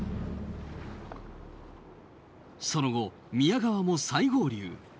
その後宮川も再合流。